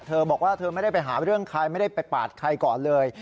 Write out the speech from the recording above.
เธอบอกว่าเธอไม่ได้ไปหาเรื่องใครไม่ได้ไปปาดใครก่อนเลย